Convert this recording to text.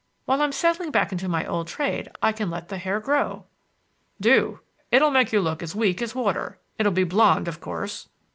While I'm settling back into my old trade, I can let the hair grow." "Do. It'll make you look as weak as water. It'll be blonde, of course."